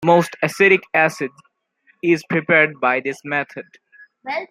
Most acetic acid is prepared by this method.